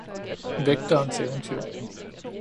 Vægterens eventyr.